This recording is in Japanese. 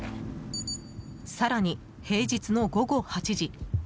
更に、平日の午後８時。